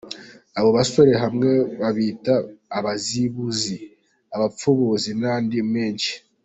Abo basore hamwe babita abazibuzi, abapfubuzi n’andi menshi.